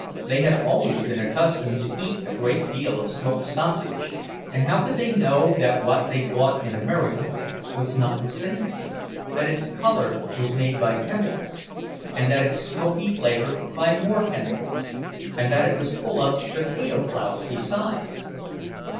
They had always been accustomed to eat a great deal of smoked sausage, and how could they know that what they bought in America was not the same—that its color was made by chemicals, and its smoky flavor by more chemicals, and that it was full of "potato flour" besides?